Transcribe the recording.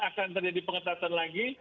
akan terjadi pengetatan lagi